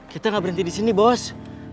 kita nggak berhenti di sini bos